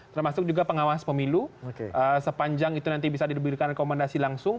termasuk juga pengawas pemilu sepanjang itu nanti bisa diberikan rekomendasi langsung